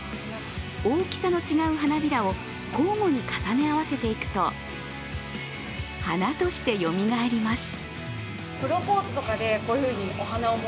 大きさの違う花びらを交互に重ね合わせていくと花としてよみがえります。